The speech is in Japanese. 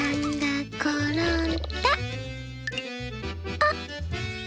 あっ！